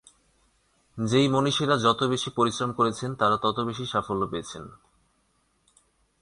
যেই মনীষীরা যত বেশি পরিশ্রম করেছেন তারা ততো বেশি সাফল্য পেয়ছেন।